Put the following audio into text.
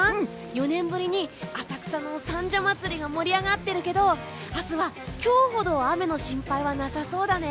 ４年ぶりに浅草の三社祭が盛り上がってるけど明日は今日ほどは雨の心配はなさそうだね！